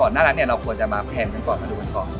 หน้าร้านเนี่ยเราควรจะมาแพลนกันก่อนมาดูกันก่อน